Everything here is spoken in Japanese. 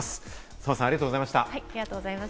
澤さん、ありがとうございました。